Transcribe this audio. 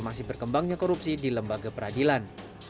masih berkembangnya korupsi di lembaga peradilan